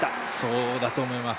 そうだと思います。